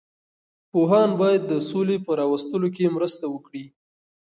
پوهان باید د سولې په راوستلو کې مرسته وکړي.